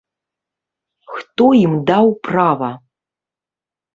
Хто ім даў права?